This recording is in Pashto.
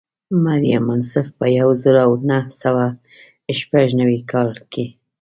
مریم منصف په یو زر او نهه سوه شپږ نوي کال کې.